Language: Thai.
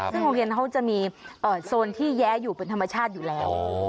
ซึ่งโรงเรียนเขาจะมีโซนที่แย้อยู่เป็นธรรมชาติอยู่แล้ว